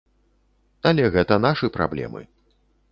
Але гэта нашы праблемы.